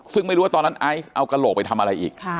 ซึ่งไม่รู้ว่าตอนนั้นไอซ์เอากระโหลกไปทำอะไรอีก